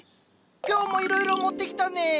今日もいろいろ持ってきたね。